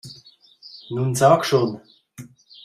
Nun sag schon!